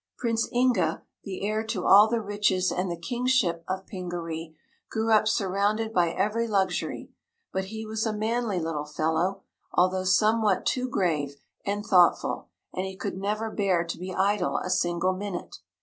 Prince Inga, the heir to all the riches and the kingship of Pingaree, grew up surrounded by every luxury; but he was a manly little fellow, although somewhat too grave and thoughtful, and he could never bear to be idle a single minute.